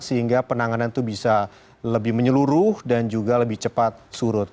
sehingga penanganan itu bisa lebih menyeluruh dan juga lebih cepat surut